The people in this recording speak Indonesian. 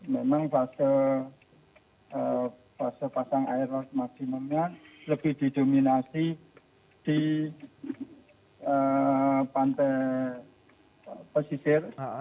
memang fase pasang air laut maksimumnya lebih didominasi di pantai pesisir